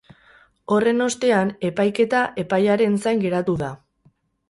Horren ostean, epaiketa epaiaren zain geratu da.